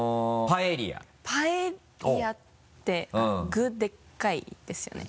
パエリアって具でっかいですよね？